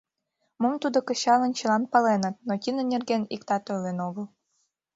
Мом тудо кычалын, чылан паленыт, но тидын нерген иктат ойлен огыл.